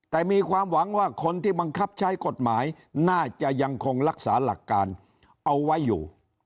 แต่มีความหวังว่าคนที่บังคับใช้กฎหมายน่าจะยังคงรักษาหลักการเอาไว้อยู่